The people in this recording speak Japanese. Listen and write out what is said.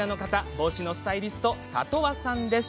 帽子のスタイリスト里和さんです。